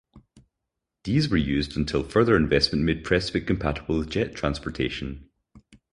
These were used until further investment made Prestwick compatible with jet transportation.